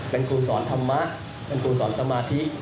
เป็นคุณสอนธรรมะคุณสอนสมาธิ